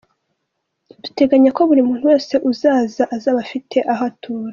“Duteganya ko buri muntu wese uzaza azaba afite aho atura.